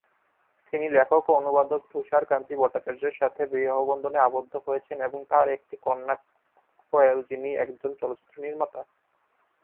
তিনি লেখক ও অনুবাদক তুষার কান্তি ভট্টাচার্যের সাথে বিবাহবন্ধনে আবদ্ধ হয়েছেন এবং তাঁর একটি কন্যা কোয়েল, যিনি একজন চলচ্চিত্র নির্মাতা।